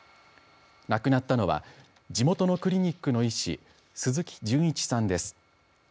亡くなったのは地元のクリニックの医師鈴木純一さんです。